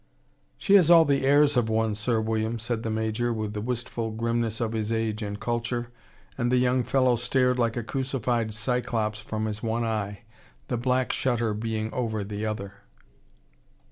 "She has all the airs of one, Sir William," said the Major, with the wistful grimness of his age and culture. And the young fellow stared like a crucified cyclops from his one eye: the black shutter being over the other.